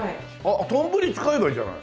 とんぶり使えばいいじゃない。